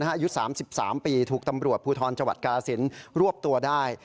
อายุ๓๓ปีถูกตำรวจภูทรจังหวัดกาลสินรวบตัวได้